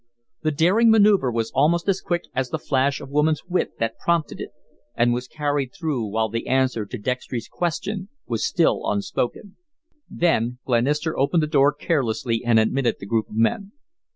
The daring manoeuvre was almost as quick as the flash of woman's wit that prompted it, and was carried through while the answer to Dextry's question was still unspoken. Then Glenister opened the door carelessly and admitted the group of men.